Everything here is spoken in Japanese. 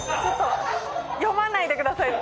読まないでください。